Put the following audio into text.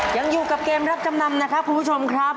ยังอยู่กับเกมรับจำนำนะครับคุณผู้ชมครับ